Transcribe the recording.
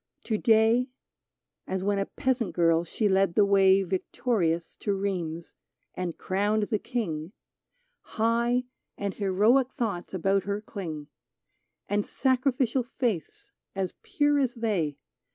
To day,— As when a peasant girl she led the way Victorious to Rheims and crowned the King, — High and heroic thoughts about her cling, And sacrificial faiths as pure as they.